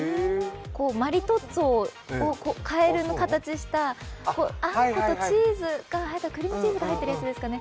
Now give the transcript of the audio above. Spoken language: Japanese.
マリトッツォを変える形をしたあんことクリームチーズが入ってるやつですかね。